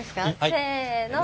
せの。